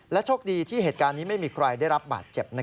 โชคดีที่เหตุการณ์นี้ไม่มีใครได้รับบาดเจ็บ